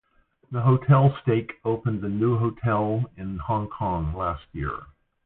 The hotel stake opened a new hotel in Hong Kong last year.